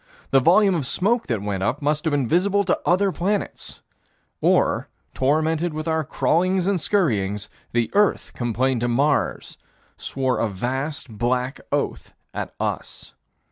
The volume of smoke that went up must have been visible to other planets or, tormented with our crawlings and scurryings, the earth complained to Mars; swore a vast black oath at us.